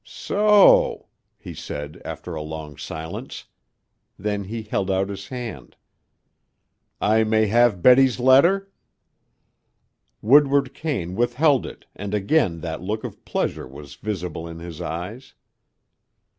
"So o!" he said after a long silence. Then he held out his hand. "I may have Betty's letter?" Woodward Kane withheld it and again that look of pleasure was visible in his eyes.